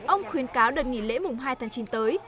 ông khuyến cáo đợt nghỉ lễ mùng hai tháng chín tới